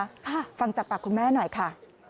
ค่ะฟังจากปากคุณแม่หน่อยค่ะ